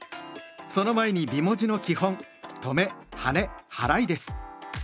その前に美文字の基本「とめ・はねはらい」です。